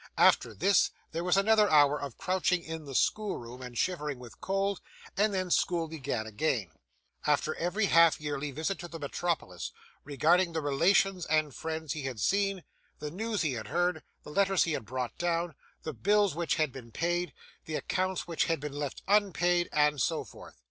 After this, there was another hour of crouching in the schoolroom and shivering with cold, and then school began again. It was Mr. Squeer's custom to call the boys together, and make a sort of report, after every half yearly visit to the metropolis, regarding the relations and friends he had seen, the news he had heard, the letters he had brought down, the bills which had been paid, the accounts which had been left unpaid, and so forth.